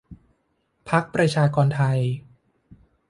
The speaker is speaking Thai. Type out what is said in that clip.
พรรคประชากรไทย